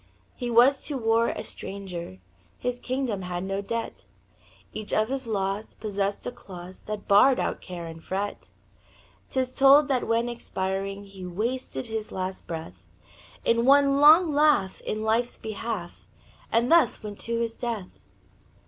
He was to war a stranger; His kingdom had no debt; Each of his laws possessed a clause That barred out care and fret 'Tis told that when expiring He wasted his last breath In one long laugh in life's behalf, And thus went to his death.